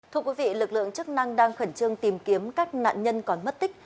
thưa quý vị lực lượng chức năng đang khẩn trương tìm kiếm các nạn nhân còn mất tích